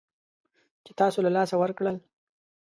چې تاسو له لاسه ورکړل